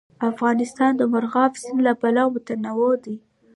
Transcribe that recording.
افغانستان د مورغاب سیند له پلوه متنوع دی.